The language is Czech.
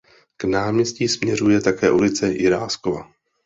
K náměstí směřuje také ulice Jiráskova.